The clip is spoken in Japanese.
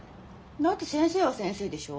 だって先生は先生でしょ。